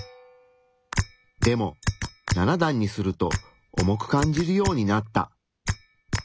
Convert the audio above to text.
でも７段にすると重く感じるようになった。